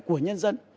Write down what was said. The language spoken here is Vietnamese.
của nhân dân